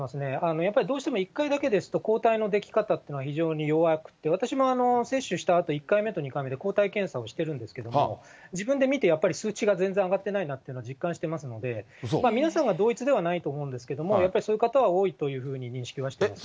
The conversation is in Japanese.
やっぱりどうしても１回だけですと、抗体の出来方っていうのは非常に弱くて、私も接種したあと、１回目と２回目で抗体検査をしてるんですけれども、自分で見て、やっぱり数値が全然上がってないなというのは実感してますので、皆さんが同一ではないと思うんですけれども、やっぱりそういう方は多いというふうに認識はしています。